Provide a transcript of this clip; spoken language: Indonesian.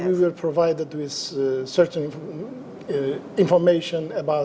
di mana kami diberikan informasi tertentu